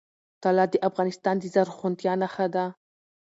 طلا د افغانستان د زرغونتیا نښه ده.